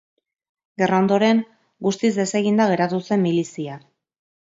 Gerra ondoren, guztiz deseginda geratu zen milizia.